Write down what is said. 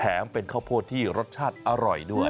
เป็นข้าวโพดที่รสชาติอร่อยด้วย